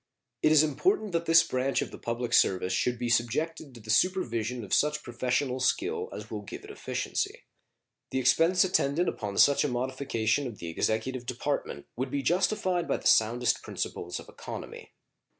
It is important that this branch of the public service should be subjected to the supervision of such professional skill as will give it efficiency. The expense attendant upon such a modification of the executive department would be justified by the soundest principles of economy.